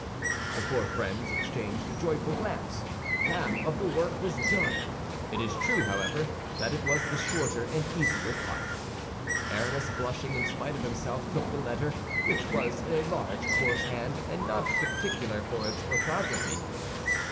The four friends exchanged a joyful glance; half of the work was done. It is true, however, that it was the shorter and easier part. Aramis, blushing in spite of himself, took the letter, which was in a large, coarse hand and not particular for its orthography.